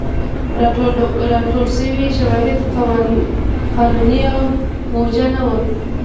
راټول شوي شواهد قانوني او موجه نه وو.